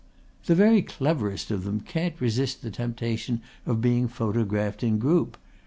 "The very cleverest of them can't resist the temptation of being photographed in group.